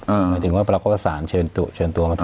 หมายถึงว่าปรากฏศาสตร์เชิญตัวมาทำ